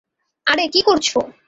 আরে কি করছো?